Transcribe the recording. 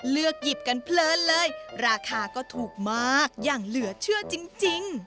หยิบกันเพลินเลยราคาก็ถูกมากอย่างเหลือเชื่อจริง